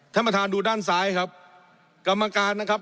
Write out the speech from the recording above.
ท่านประธานดูด้านซ้ายครับกรรมการนะครับ